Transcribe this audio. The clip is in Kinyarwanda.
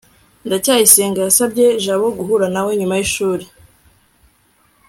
ndacyayisenga yasabye jabo guhura nawe nyuma yishuri